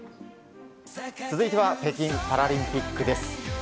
続いては北京パラリンピックです。